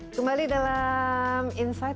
kembali dalam insight